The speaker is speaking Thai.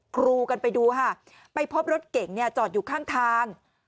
ครูกันไปดูค่ะไปพบรถเก่งเนี่ยจอดอยู่ข้างทาง